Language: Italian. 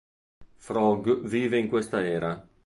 Frog vive in questa era.